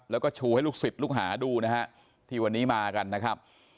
แล้วก็ชูให้ลูกศิษย์ลูกหาดูนะฮะที่วันนี้มากันนะครับ